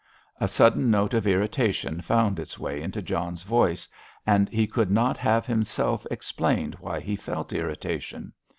A sudden note of irritation found its way into John's voice; he could not have himself explained why he felt irritation.